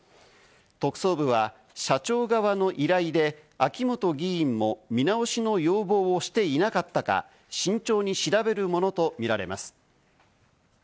特捜部は社長側の依頼で、秋本議員も見直しの要望をしていなかったか慎重に調べるものとみられます。